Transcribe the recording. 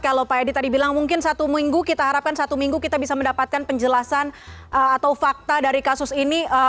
kalau pak edi tadi bilang mungkin satu minggu kita harapkan satu minggu kita bisa mendapatkan penjelasan atau fakta dari kasus ini